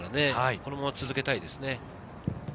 このまま続けたいですね。